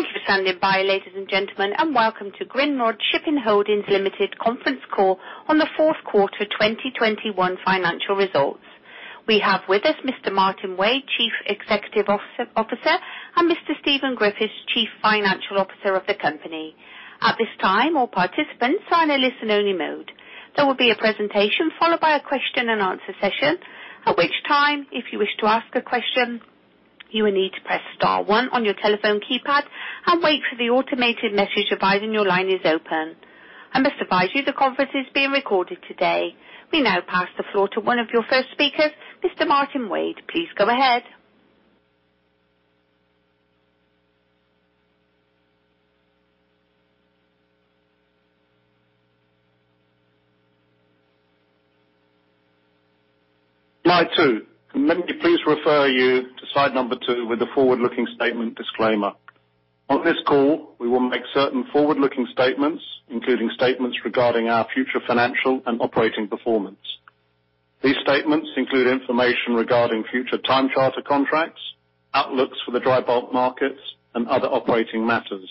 Thank you for standing by, ladies and gentlemen, and welcome to Grindrod Shipping Holdings Limited conference call on the fourth quarter 2021 financial results. We have with us Mr. Martyn Wade, Chief Executive Officer, and Mr. Stephen Griffiths, Chief Financial Officer of the company. At this time, all participants are in a listen only mode. There will be a presentation followed by a question and answer session, at which time, if you wish to ask a question, you will need to press star one on your telephone keypad and wait for the automated message advising your line is open. I must advise you the conference is being recorded today. We now pass the floor to one of your first speakers, Mr. Martyn Wade. Please go ahead. Slide two. Let me please refer you to slide number two with the forward-looking statement disclaimer. On this call, we will make certain forward-looking statements, including statements regarding our future financial and operating performance. These statements include information regarding future time charter contracts, outlooks for the dry bulk markets and other operating matters.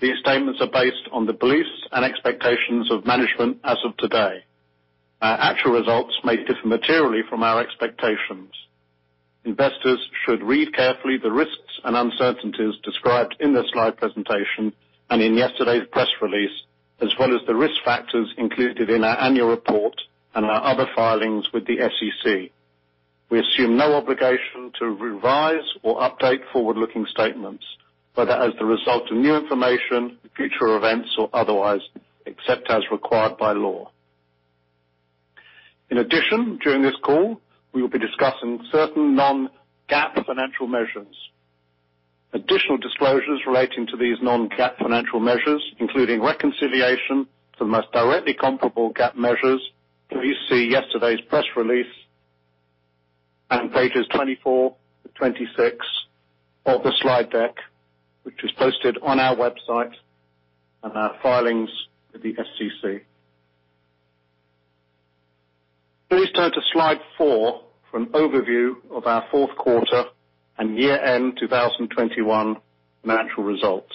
These statements are based on the beliefs and expectations of management as of today. Our actual results may differ materially from our expectations. Investors should read carefully the risks and uncertainties described in this slide presentation and in yesterday's press release, as well as the risk factors included in our annual report and our other filings with the SEC. We assume no obligation to revise or update forward-looking statements, whether as the result of new information, future events, or otherwise, except as required by law. In addition, during this call, we will be discussing certain non-GAAP financial measures. Additional disclosures relating to these non-GAAP financial measures, including reconciliation to the most directly comparable GAAP measures. Please see yesterday's press release and pages 24-26 of the slide deck, which is posted on our website and our filings with the SEC. Please turn to slide four for an overview of our fourth quarter and year-end 2021 financial results.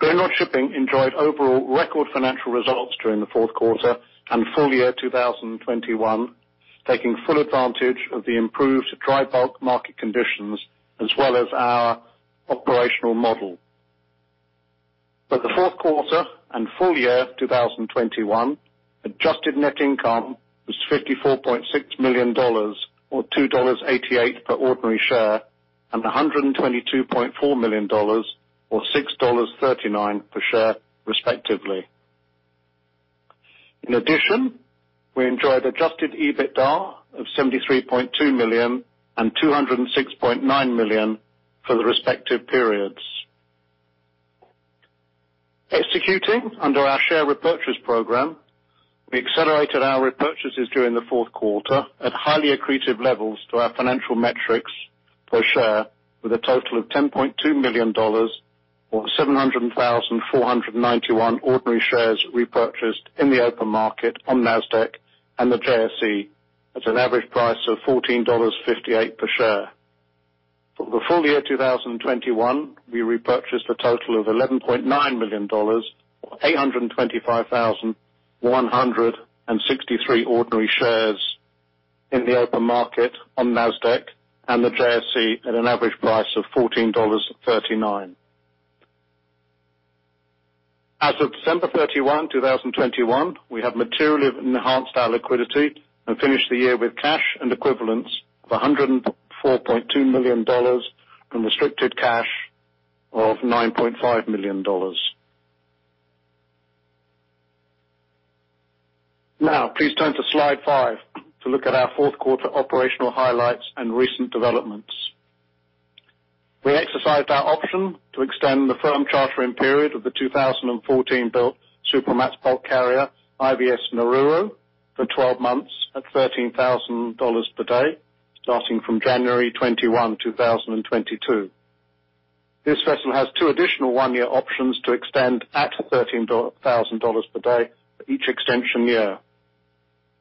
Grindrod Shipping enjoyed overall record financial results during the fourth quarter and full year 2021, taking full advantage of the improved dry bulk market conditions as well as our operational model. For the fourth quarter and full year 2021, adjusted net income was $54.6 million or $2.88 per ordinary share, and $122.4 million or $6.39 per share, respectively. In addition, we enjoyed Adjusted EBITDA of $73.2 million and $206.9 million for the respective periods. Executing under our share repurchase program, we accelerated our repurchases during the fourth quarter at highly accretive levels to our financial metrics per share with a total of $10.2 million or 700,491 ordinary shares repurchased in the open market on Nasdaq and the JSE at an average price of $14.58 per share. For the full year 2021, we repurchased a total of $11.9 million or 825,163 ordinary shares in the open market on Nasdaq and the JSE at an average price of $14.39. As of December 31, 2021, we have materially enhanced our liquidity and finished the year with cash and equivalents of $104.2 million and restricted cash of $9.5 million. Now, please turn to slide five to look at our fourth quarter operational highlights and recent developments. We exercised our option to extend the firm charter-in period of the 2014-built supramax bulk carrier, IVS Naruo, for 12 months at $13,000 per day, starting from January 21, 2022. This vessel has two additional one-year options to extend at $13,000 per day for each extension year.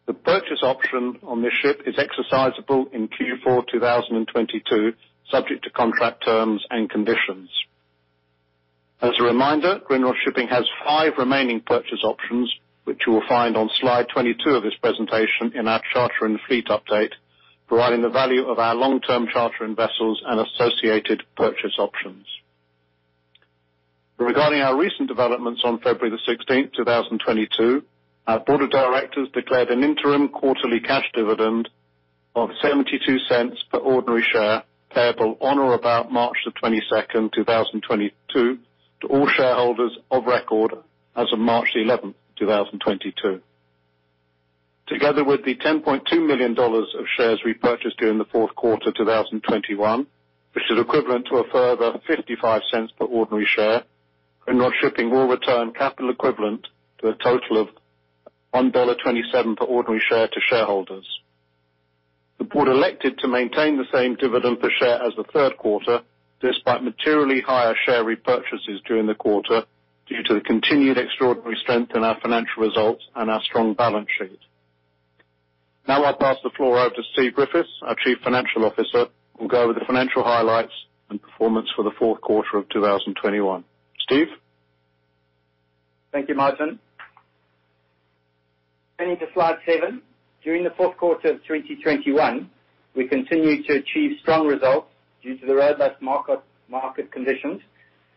The purchase option on this ship is exercisable in Q4 2022, subject to contract terms and conditions. As a reminder, Grindrod Shipping has five remaining purchase options, which you will find on slide 22 of this presentation in our charter and fleet update, providing the value of our long-term charter and vessels and associated purchase options. Regarding our recent developments on February 16th, 2022, our board of directors declared an interim quarterly cash dividend of $0.72 per ordinary share, payable on or about March 22nd, 2022 to all shareholders of record as of March 11, 2022. Together with the $10.2 million of shares repurchased during the fourth quarter, 2021, which is equivalent to a further $0.55 per ordinary share, Grindrod Shipping will return capital equivalent to a total of $1.27 per ordinary share to shareholders. The board elected to maintain the same dividend per share as the third quarter, despite materially higher share repurchases during the quarter, due to the continued extraordinary strength in our financial results and our strong balance sheet. Now I'll pass the floor over to Steve Griffiths, our Chief Financial Officer, who'll go over the financial highlights and performance for the fourth quarter of 2021. Steve. Thank you, Martyn. Turning to slide seven. During the fourth quarter of 2021, we continued to achieve strong results due to the robust market conditions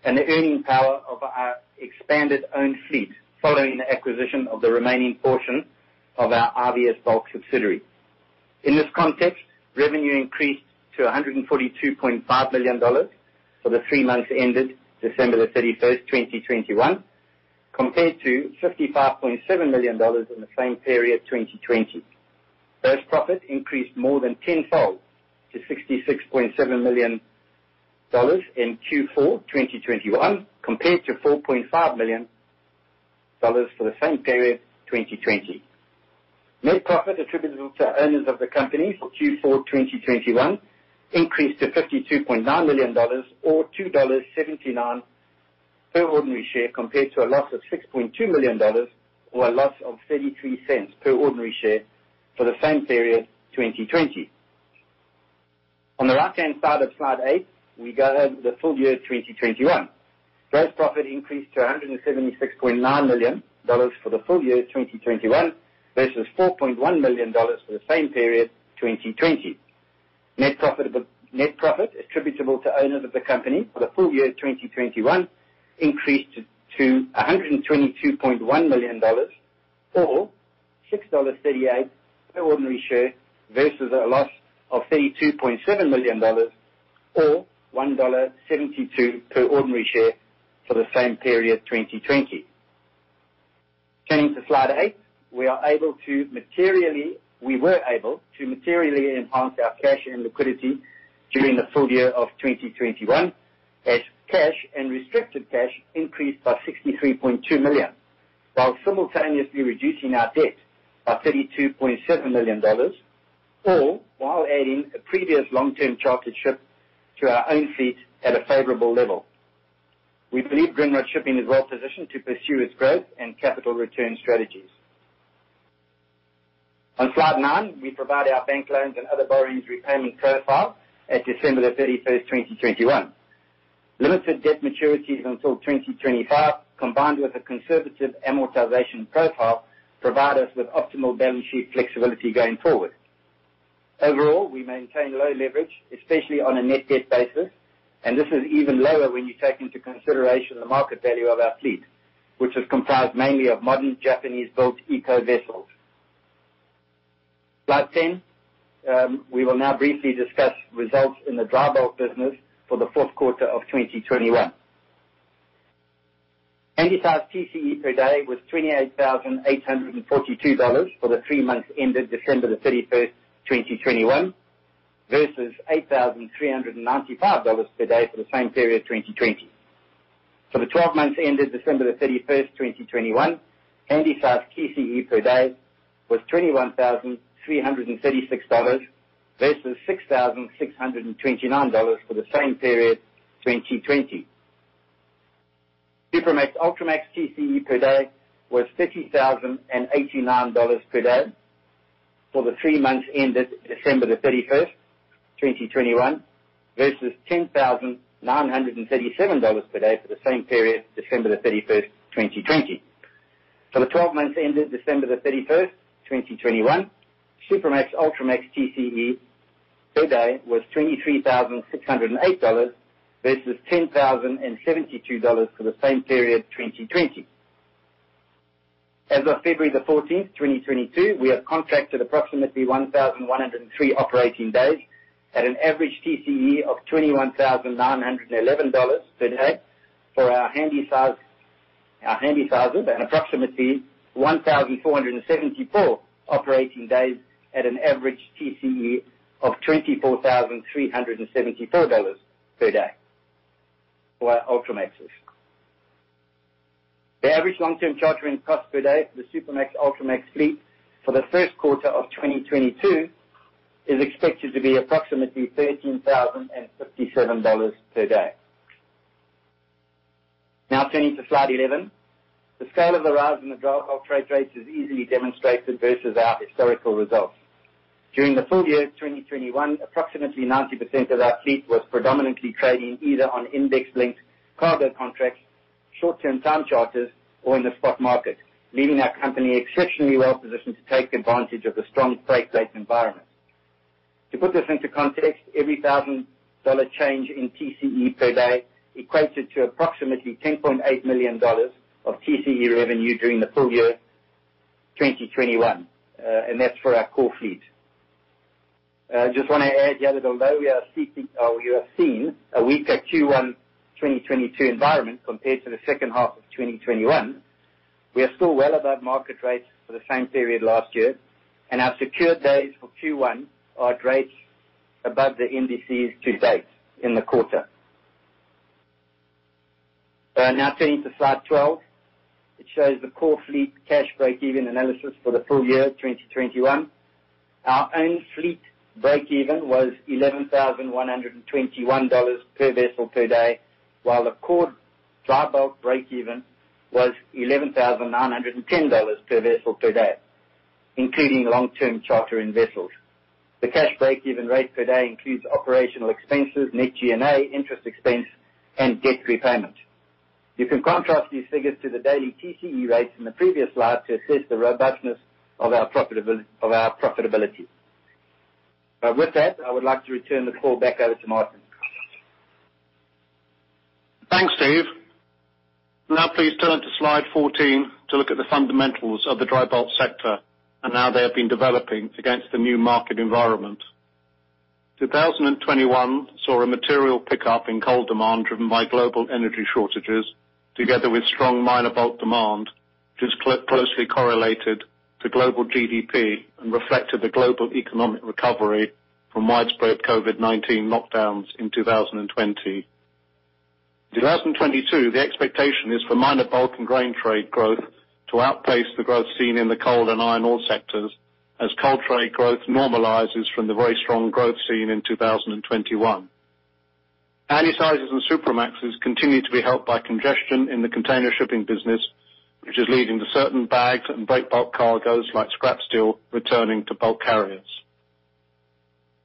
and the earning power of our expanded own fleet, following the acquisition of the remaining portion of our IVS Bulk subsidiary. In this context, revenue increased to $142.5 million for the three months ended December 31st, 2021, compared to $55.7 million in the same period, 2020. Gross profit increased more than ten-fold to $66.7 million in Q4 2021, compared to $4.5 million for the same period, 2020. Net profit attributable to owners of the company for Q4 2021 increased to $52.9 million or $2.79 per ordinary share, compared to a loss of $6.2 million or a loss of $0.33 per ordinary share for the same period, 2020. On the right-hand side of slide eight, we go over the full year 2021. Gross profit increased to $176.9 million for the full year 2021 versus $4.1 million for the same period, 2020. Net profit attributable to owners of the company for the full year 2021 increased to $122.1 million or $6.38 per ordinary share versus a loss of $32.7 million or $1.72 per ordinary share for the same period, 2020. Turning to slide eight, we were able to materially enhance our cash and liquidity during the full year of 2021 as cash and restricted cash increased by $63.2 million, while simultaneously reducing our debt by $32.7 million, all while adding a previous long-term chartered ship to our own fleet at a favorable level. We believe Grindrod Shipping is well positioned to pursue its growth and capital return strategies. On slide nine, we provide our bank loans and other borrowings repayment profile at December 31st, 2021. Limited debt maturities until 2025, combined with a conservative amortization profile, provide us with optimal balance sheet flexibility going forward. Overall, we maintain low leverage, especially on a net debt basis, and this is even lower when you take into consideration the market value of our fleet, which is comprised mainly of modern Japanese-built eco vessels. Slide 10. We will now briefly discuss results in the dry bulk business for the fourth quarter of 2021. Handysize TCE per day was $28,842 for the three months ended December 31st, 2021, versus $8,395 per day for the same period, 2020. For the 12 months ended December 31st, 2021, Handysize TCE per day was $21,336 versus $6,629 for the same period, 2020. Supramax, Ultramax TCE per day was $30,089 per day for the three months ended December 31st, 2021, versus $10,937 per day for the same period, December 31st, 2020. For the 12 months ended December 31st, 2021, Supramax, Ultramax TCE per day was $23,608 versus $10,072 for the same period, 2020. As of February 14th, 2022, we have contracted approximately 1,103 operating days at an average TCE of $21,911 per day for our Handysize, our Handysizes, and approximately 1,474 operating days at an average TCE of $24,374 per day for our Ultramaxes. The average long-term chartering cost per day for the Supramax, Ultramax fleet for the first quarter of 2022 is expected to be approximately $13,057 per day. Now turning to slide 11. The scale of the rise in the dry bulk trade rates is easily demonstrated versus our historical results. During the full year 2021, approximately 90% of our fleet was predominantly trading either on index-linked cargo contracts, short-term time charters, or in the spot market, leaving our company exceptionally well positioned to take advantage of the strong trade rate environment. To put this into context, every $1,000 change in TCE per day equated to approximately $10.8 million of TCE revenue during the full year 2021. That's for our core fleet. We have seen a weaker Q1 2022 environment compared to the second half of 2021, we are still well above market rates for the same period last year, and our secured days for Q1 are at rates above the indices to date in the quarter. Now turning to slide 12. It shows the core fleet cash break-even analysis for the full year 2021. Our own fleet breakeven was $11,121 per vessel per day, while the core dry bulk breakeven was $11,910 per vessel per day, including long-term charter and vessels. The cash breakeven rate per day includes operational expenses, net G&A, interest expense, and debt repayment. You can contrast these figures to the daily TCE rates in the previous slide to assess the robustness of our profitability. With that, I would like to return the call back over to Martyn. Thanks, Steve. Now please turn to slide 14 to look at the fundamentals of the dry bulk sector and how they have been developing against the new market environment. 2021 saw a material pickup in coal demand driven by global energy shortages, together with strong minor bulk demand, which is closely correlated to global GDP and reflected the global economic recovery from widespread COVID-19 lockdowns in 2020. In 2022, the expectation is for minor bulk and grain trade growth to outpace the growth seen in the coal and iron ore sectors as coal trade growth normalizes from the very strong growth seen in 2021. Handysizes and Supramaxes continue to be helped by congestion in the container shipping business, which is leading to certain bags and break bulk cargos like scrap steel returning to bulk carriers.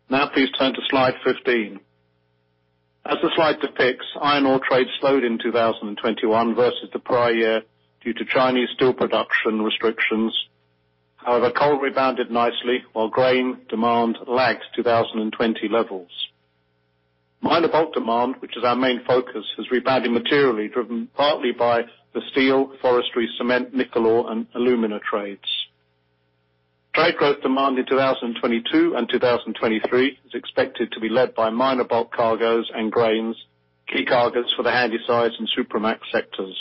Now please turn to slide 15. As the slide depicts, iron ore trade slowed in 2021 versus the prior year due to Chinese steel production restrictions. However, coal rebounded nicely while grain demand lags 2020 levels. Minor bulk demand, which is our main focus, has rebounded materially, driven partly by the steel, forestry, cement, nickel ore, and alumina trades. Trade growth demand in 2022 and 2023 is expected to be led by minor bulk cargos and grains, key cargos for the Handysize and Supramax sectors.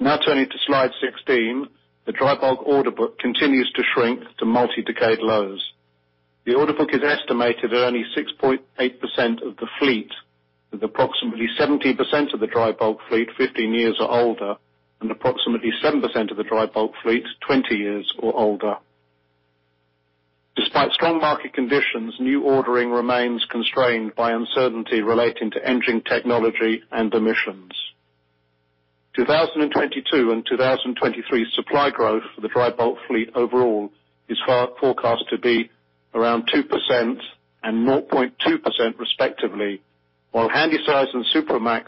Now turning to slide 16. The dry bulk order book continues to shrink to multi-decade lows. The order book is estimated at only 6.8% of the fleet, with approximately 70% of the dry bulk fleet 15 years or older and approximately 7% of the dry bulk fleet 20 years or older. Despite strong market conditions, new ordering remains constrained by uncertainty relating to engine technology and emissions. 2022 and 2023 supply growth for the dry bulk fleet overall is forecast to be around 2% and 0.2% respectively, while Handysize and Supramax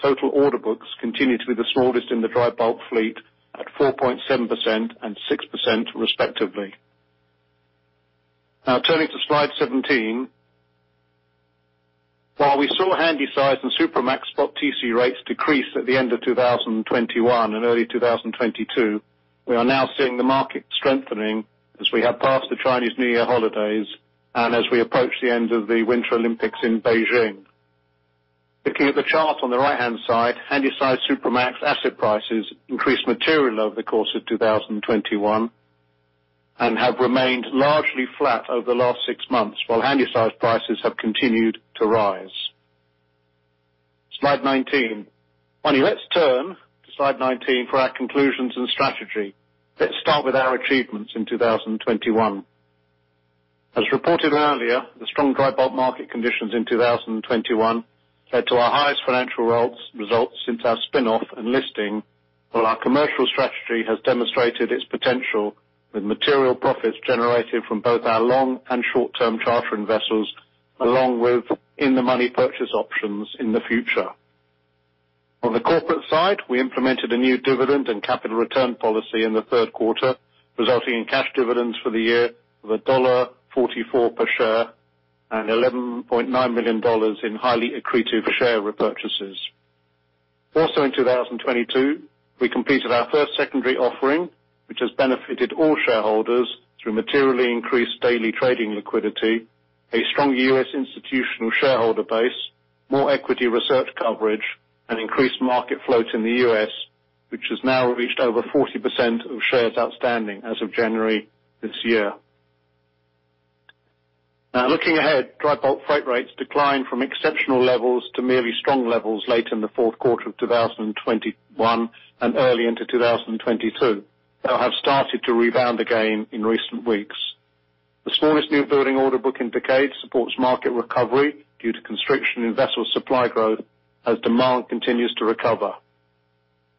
total order books continue to be the smallest in the dry bulk fleet at 4.7% and 6% respectively. Now turning to slide 17. While we saw Handysize and Supramax spot TC rates decrease at the end of 2021 and early 2022, we are now seeing the market strengthening as we have passed the Chinese New Year holidays and as we approach the end of the Winter Olympics in Beijing. Looking at the chart on the right-hand side, Handysize, Supramax asset prices increased materially over the course of 2021 and have remained largely flat over the last six months while Handysize prices have continued to rise. Slide 19. Finally, let's turn to slide 19 for our conclusions and strategy. Let's start with our achievements in 2021. As reported earlier, the strong dry bulk market conditions in 2021 led to our highest financial results since our spin-off and listing. While our commercial strategy has demonstrated its potential with material profits generated from both our long and short-term chartering vessels, along with in-the-money purchase options in the future. On the corporate side, we implemented a new dividend and capital return policy in the third quarter, resulting in cash dividends for the year of $1.44 per share and $11.9 million in highly accretive share repurchases. Also in 2022, we completed our first secondary offering, which has benefited all shareholders through materially increased daily trading liquidity, a strong U.S. institutional shareholder base, more equity research coverage, and increased market float in the U.S., which has now reached over 40% of shares outstanding as of January this year. Now looking ahead, dry bulk freight rates declined from exceptional levels to merely strong levels late in the fourth quarter of 2021 and early into 2022. They have started to rebound again in recent weeks. The smallest new building order book in decades supports market recovery due to constriction in vessel supply growth as demand continues to recover.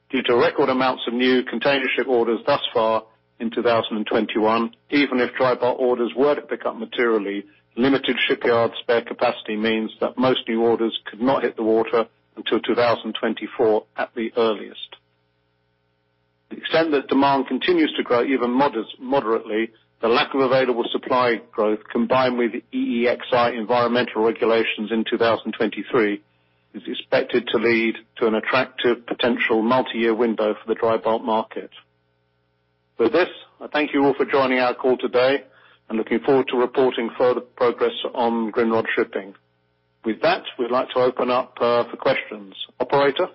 Due to record amounts of new container ship orders thus far in 2021, even if dry bulk orders were to pick up materially, limited shipyard spare capacity means that most new orders could not hit the water until 2024 at the earliest. the extent that demand continues to grow even moderately, the lack of available supply growth, combined with EEXI environmental regulations in 2023, is expected to lead to an attractive potential multi-year window for the dry bulk market. With this, I thank you all for joining our call today. I'm looking forward to reporting further progress on Grindrod Shipping. With that, we'd like to open up for questions. Operator?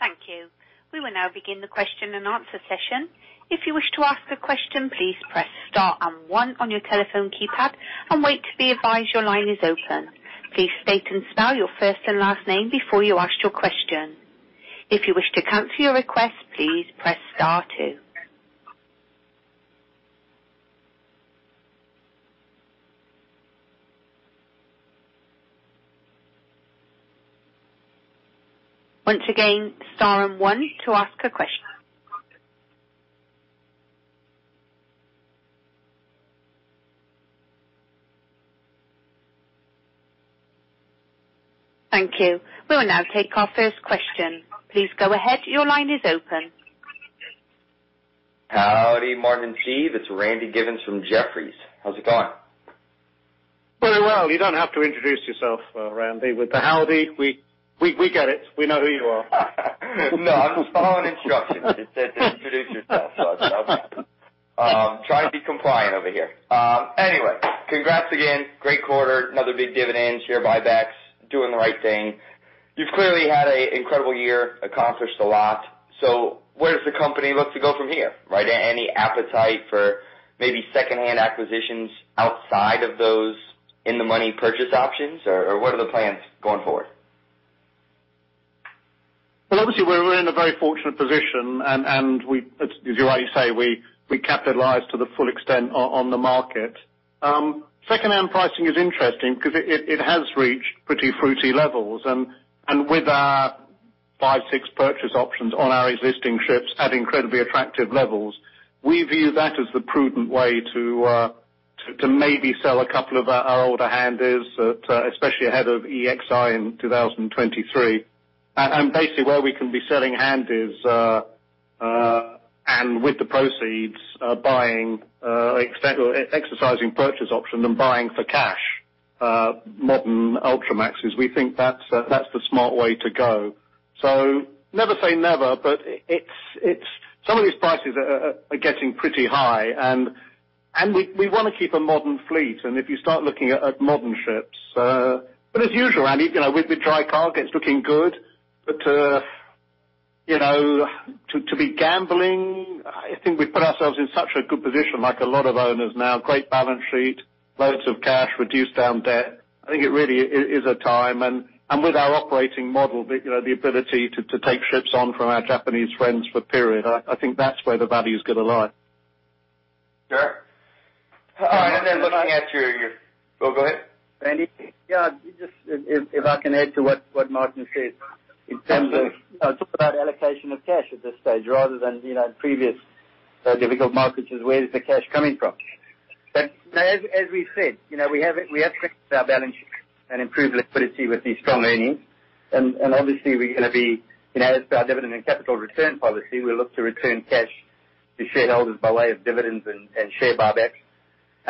Thank you. We will now begin the question and answer session. If you wish to ask a question, please press star and one on your telephone keypad and wait to be advised your line is open. Please state and spell your first and last name before you ask your question. If you wish to cancel your request, please press star two. Once again, star one to ask a question. Thank you. We will now take our first question. Please go ahead. Your line is open. Howdy, Martyn and Steve. It's Randy Giveans from Jefferies. How's it going? Very well. You don't have to introduce yourself, Randy. With the howdy, we get it. We know who you are. No, I'm following instructions. It said to introduce yourself, so trying to be compliant over here. Anyway, congrats again. Great quarter. Another big dividend, share buybacks, doing the right thing. You've clearly had an incredible year, accomplished a lot. Where does the company look to go from here, right? Any appetite for maybe secondhand acquisitions outside of those in-the-money purchase options, or what are the plans going forward? Well, obviously we're in a very fortunate position, as you rightly say, we capitalized to the full extent on the market. Secondhand pricing is interesting because it has reached pretty frothy levels. With our five, six purchase options on our existing ships at incredibly attractive levels, we view that as the prudent way to maybe sell a couple of our older Handys, especially ahead of EEXI in 2023. Basically where we can be selling Handys and with the proceeds buying or exercising purchase options and buying for cash modern Ultramaxes, we think that's the smart way to go. Never say never, but some of these prices are getting pretty high and we wanna keep a modern fleet. If you start looking at modern ships, as usual, Randy, you know, with dry cargo, it's looking good. You know, to be gambling, I think we've put ourselves in such a good position, like a lot of owners now, great balance sheet, loads of cash, reduced down debt. I think it really is a time. With our operating model, you know, the ability to take ships on from our Japanese friends for a period, I think that's where the value is gonna lie. Sure. Looking at your. [Corosstalk] Oh, go ahead. Randy? Yeah, just if I can add to what Martyn said. In terms of talk about allocation of cash at this stage rather than, you know, in previous difficult markets, is where is the cash coming from? You know, as we've said, you know, we have our balance sheet and improved liquidity with these strong earnings. Obviously we're gonna be, you know, as per our dividend and capital return policy, we look to return cash to shareholders by way of dividends and share buybacks.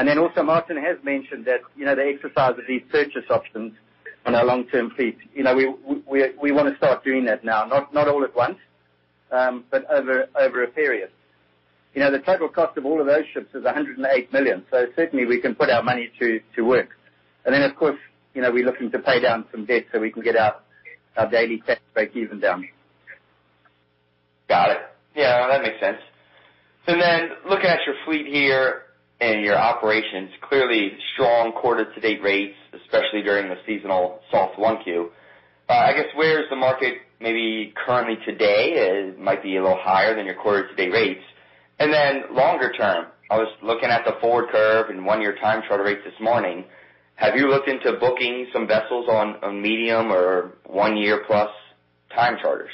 Then also Martyn has mentioned that, you know, the exercise of these purchase options on our long-term fleet, you know, we wanna start doing that now, not all at once, but over a period. You know, the total cost of all of those ships is $108 million. Certainly we can put our money to work. Of course, we're looking to pay down some debt so we can get our daily cash breakeven down. Got it. Yeah, that makes sense. Looking at your fleet here and your operations, clearly strong quarter-to-date rates, especially during the seasonal soft 1Q. I guess where's the market maybe currently today? It might be a little higher than your quarter-to-date rates. Longer term, I was looking at the forward curve and one-year time charter rates this morning. Have you looked into booking some vessels on medium or one-year+ time charters?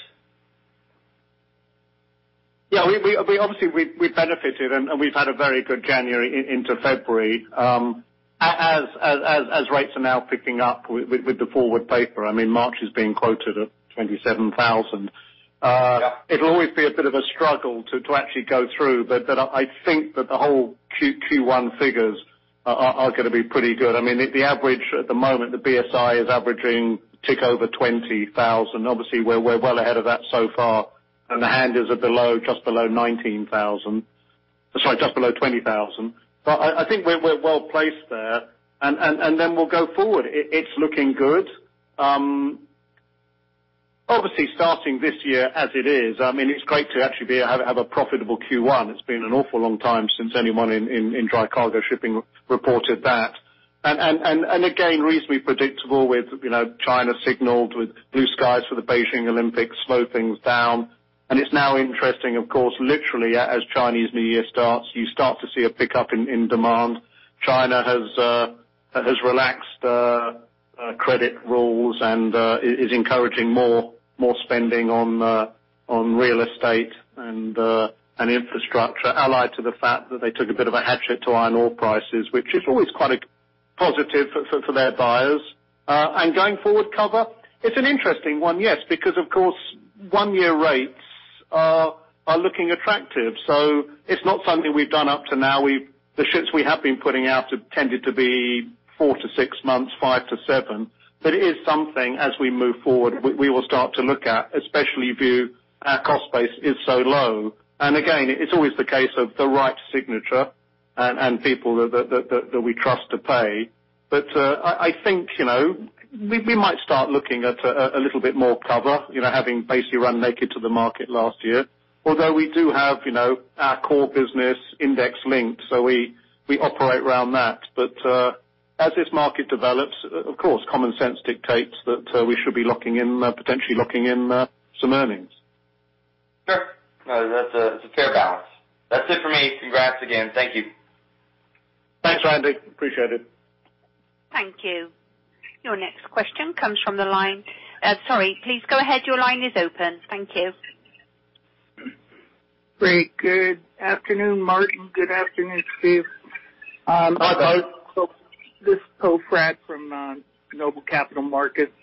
Yeah, we obviously benefited and we've had a very good January into February, as rates are now picking up with the forward paper. I mean, March is being quoted at $27,000. Yeah. It'll always be a bit of a struggle to actually go through, but I think that the whole Q1 figures are gonna be pretty good. I mean, the average at the moment, the BSI is averaging just over 20,000. Obviously we're well ahead of that so far. The Handys are below, just below 19,000. Sorry, just below 20,000. But I think we're well placed there. Then we'll go forward. It's looking good. Obviously starting this year as it is, I mean, it's great to actually have a profitable Q1. It's been an awful long time since anyone in dry cargo shipping reported that. Again, reasonably predictable with, you know, China signaled with blue skies for the Beijing Olympics, slow things down. It's now interesting, of course, literally as Chinese New Year starts, you start to see a pickup in demand. China has relaxed credit rules and is encouraging more spending on real estate and infrastructure, allied to the fact that they took a bit of a hatchet to iron ore prices, which is always quite a positive for their buyers. Going forward charter, it's an interesting one, yes, because of course one-year rates are looking attractive. It's not something we've done up to now. The ships we have been putting out have tended to be four to six months, five to seven. It is something as we move forward, we will start to look at, especially our cost base is so low. It's always the case of the right signature and people that we trust to pay. I think, you know, we might start looking at a little bit more cover, you know, having basically run naked to the market last year. Although we do have, you know, our core business index linked, so we operate around that. As this market develops, of course, common sense dictates that we should be locking in, potentially locking in, some earnings. Sure. No, that's a, it's a fair balance. That's it for me. Congrats again. Thank you. Thanks, Randy. I appreciate it. Thank you. Your next question comes from the line- Uh, sorry, please go ahead. Your line is open. Thank you. Great. Good afternoon, Martyn. Good afternoon, Steve. This is Poe Fratt from Noble Capital Markets.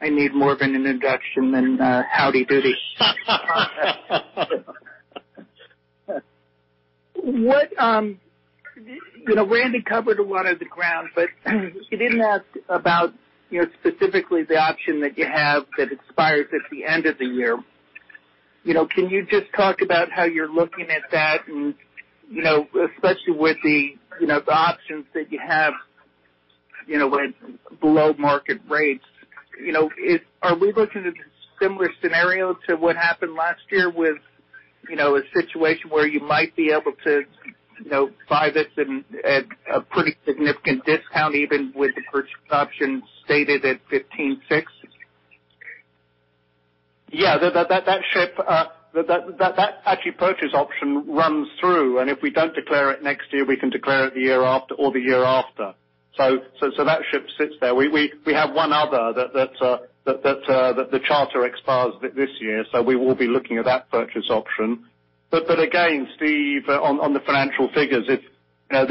I need more of an introduction than howdy doody. What, you know, Randy covered a lot of the ground, but he didn't ask about, you know, specifically the option that you have that expires at the end of the year. You know, can you just talk about how you're looking at that and especially with the, you know, the options that you have, you know, when below market rates. Are we looking at a similar scenario to what happened last year with, you know, a situation where you might be able to buy this in at a pretty significant discount, even with the purchase option stated at $15.6? Yeah. That ship actually purchase option runs through, and if we don't declare it next year, we can declare it the year after. That ship sits there. We have one other that the charter expires this year, so we will be looking at that purchase option. Again, Steve, on the financial figures, you know,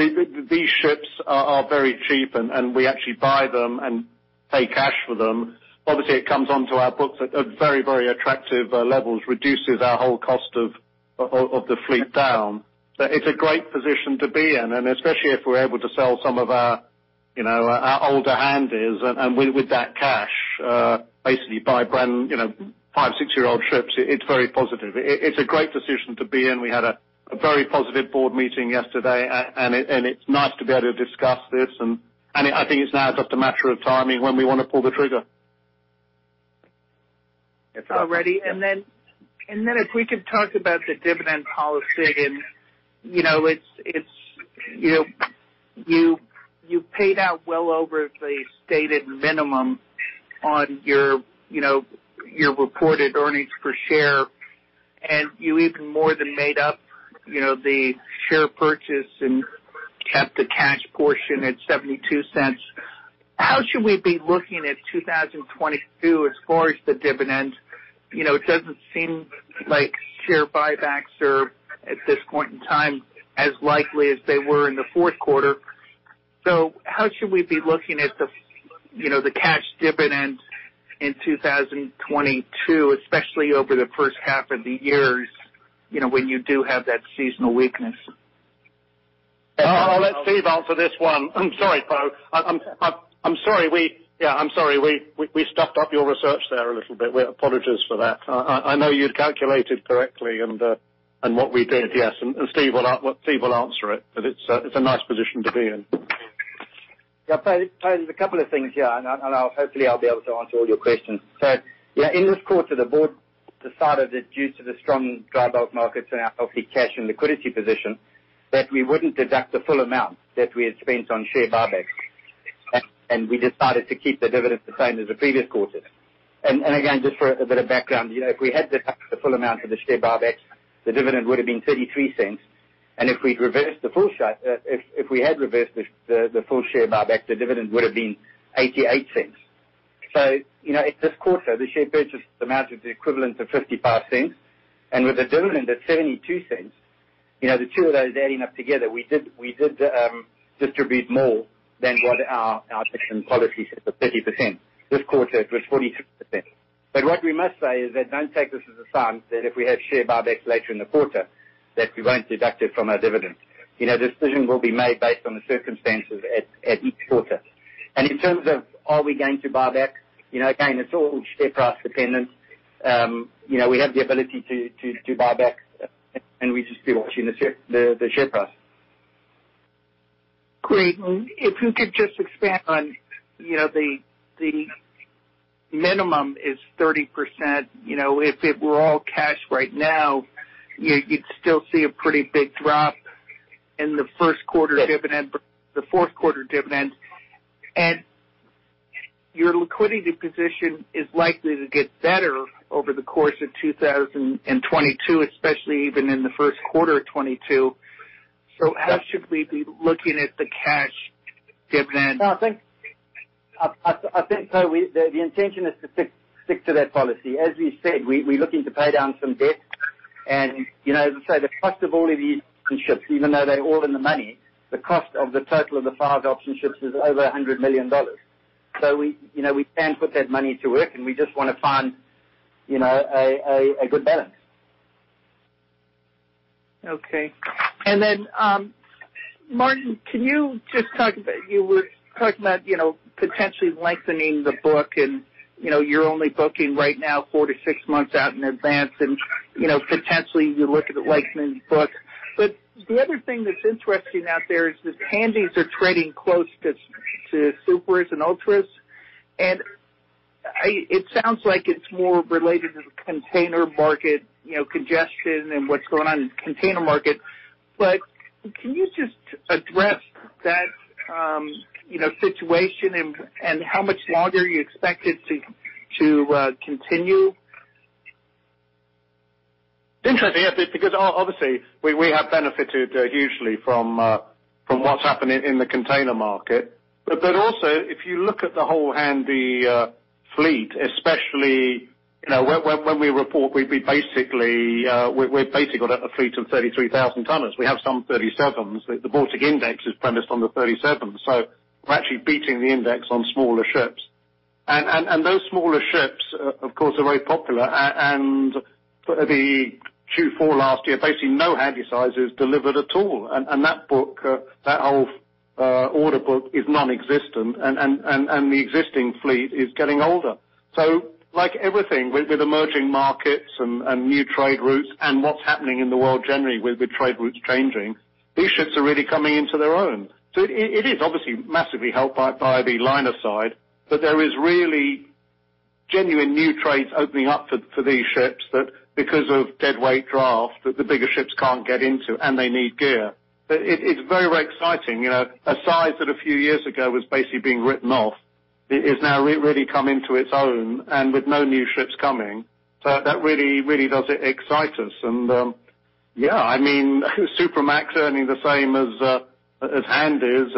these ships are very cheap, and we actually buy them and pay cash for them. Obviously, it comes onto our books at very attractive levels, reduces our whole cost of the fleet down. It's a great position to be in, and especially if we're able to sell some of our, you know, our older Handys and with that cash basically buy five, six-year-old ships, it's very positive. It's a great position to be in. We had a very positive board meeting yesterday, and it's nice to be able to discuss this and I think it's now just a matter of timing when we wanna pull the trigger. It's all ready. If we could talk about the dividend policy and, it's, you paid out well over the stated minimum on your reported earnings per share, and you even more than made up the share purchase and kept the cash portion at $0.72. How should we be looking at 2022 as far as the dividend? It doesn't seem like share buybacks are, at this point in time, as likely as they were in the fourth quarter. How should we be looking at the, you know, the cash dividends in 2022, especially over the first half of the years, you know, when you do have that seasonal weakness? I'll let Steve answer this one. I'm sorry, Poe. I'm sorry we stuffed up your research there a little bit. We apologize for that. I know you'd calculated correctly and what we did. Yes, and Steve will answer it, but it's a nice position to be in. Yeah. Poe, there's a couple of things here, and I'll hopefully be able to answer all your questions. In this quarter, the board decided that due to the strong dry bulk markets and our healthy cash and liquidity position, that we wouldn't deduct the full amount that we had spent on share buybacks. We decided to keep the dividends the same as the previous quarter. Again, just for a bit of background, you know, if we had deducted the full amount for the share buybacks, the dividend would have been $0.33. If we'd reversed the full share buyback, the dividend would have been $0.88. You know, in this quarter, the share purchase amounted to the equivalent of $0.55. With the dividend at $0.72, you know, the two of those adding up together, we did distribute more than what our dividend policy set for 30%. This quarter, it was 43%. What we must say is that don't take this as a sign that if we have share buybacks later in the quarter, that we won't deduct it from our dividends. You know, decision will be made based on the circumstances at each quarter. In terms of are we going to buyback? You know, again, it's all share price dependent. You know, we have the ability to buyback, and we'll just be watching the share price. Great. If you could just expand on, you know, the minimum is 30%. You know, if it were all cash right now, you'd still see a pretty big drop in the first quarter dividend, the fourth quarter dividend. Your liquidity position is likely to get better over the course of 2022, especially even in the first quarter of 2022. Yes. How should we be looking at the cash dividend? No, I think. The intention is to stick to that policy. As we said, we're looking to pay down some debt. You know, as I say, the cost of all of these ships, even though they're all in the money, the cost of the total of the five option ships is over $100 million. You know, we can put that money to work, and we just want to find a good balance. Okay, Martyn, can you just talk about you were talking about, you know, potentially lengthening the book and, you know, you're only booking right now four to six months out in advance and, you know, potentially you're looking at lengthening the book. The other thing that's interesting out there is that Handys are trading close to supers and ultras. It sounds like it's more related to the container market, you know, congestion and what's going on in the container market. Can you just address that, you know, situation and how much longer you expect it to continue? Interesting. Yeah. Because obviously, we have benefited hugely from what's happening in the container market. Also if you look at the whole Handy fleet, especially, you know, when we report we'd be basically, we're basically got a fleet of 33,000-tonners. We have some 37,000s. The Baltic Index is premised on the 37,000s. We're actually beating the index on smaller ships. Those smaller ships, of course, are very popular. The Q4 last year, basically no Handysizes delivered at all. That whole order book is nonexistent. The existing fleet is getting older. Like everything with emerging markets and new trade routes and what's happening in the world generally with trade routes changing, these ships are really coming into their own. It is obviously massively helped by the liner side, but there is really genuine new trades opening up for these ships that because of dead weight draft, the bigger ships can't get into, and they need gear. It is very, very exciting. You know, a size that a few years ago was basically being written off, it has now really come into its own and with no new ships coming. That really, really does excite us. Yeah, I mean, Supramax earning the same as Handys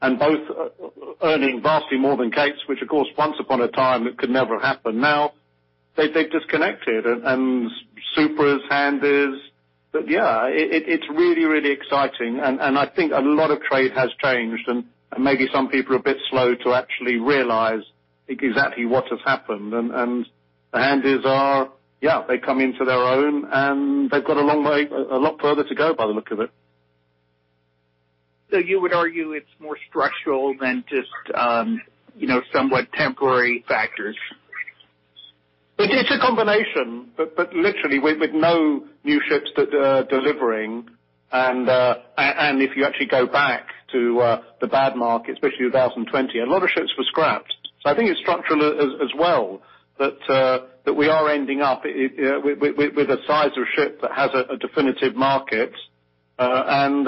and both earning vastly more than Capes, which of course once upon a time it could never happen. Now, they've disconnected and Supramaxes, Handys. Yeah, it's really, really exciting and I think a lot of trade has changed and maybe some people are a bit slow to actually realize exactly what has happened. The Handys are, yeah, they've come into their own, and they've got a long way, a lot further to go by the look of it. You would argue it's more structural than just, you know, somewhat temporary factors. It's a combination, literally with no new ships that are delivering and if you actually go back to the bad markets, especially in 2020, a lot of ships were scrapped. I think it's structural as well, that we are ending up with a size of ship that has a definitive market and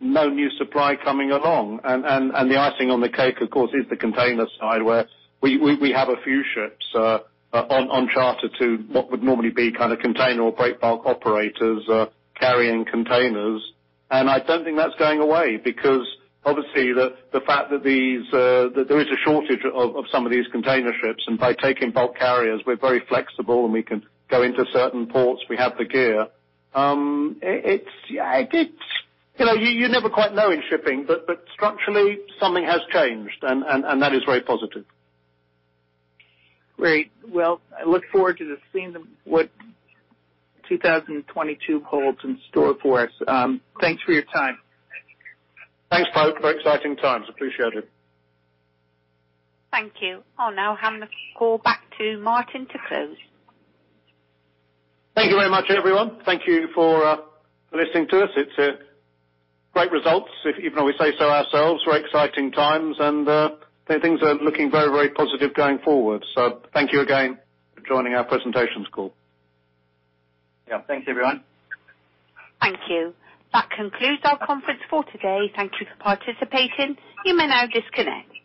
no new supply coming along. The icing on the cake, of course, is the container side where we have a few ships on charter to what would normally be kind of container or break bulk operators, carrying containers. I don't think that's going away because obviously the fact that there is a shortage of some of these container ships, and by taking bulk carriers, we're very flexible, and we can go into certain ports. We have the gear. You know, you never quite know in shipping, but structurally something has changed and that is very positive. Great. Well, I look forward to just seeing what 2022 holds in store for us. Thanks for your time. Thanks. Very exciting times. Appreciate it. Thank you. I'll now hand the call back to Martyn to close. Thank you very much, everyone. Thank you for listening to us. It's great results, even though we say so ourselves. Very exciting times and things are looking very, very positive going forward. Thank you again for joining our presentation call. Yeah. Thanks, everyone. Thank you. That concludes our conference for today. Thank you for participating. You may now disconnect.